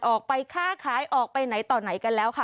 ออกไปค้าขายออกไปไหนต่อไหนกันแล้วค่ะ